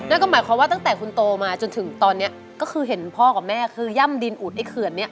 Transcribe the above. นั่นก็หมายความว่าตั้งแต่คุณโตมาจนถึงตอนนี้ก็คือเห็นพ่อกับแม่คือย่ำดินอุดไอ้เขื่อนเนี่ย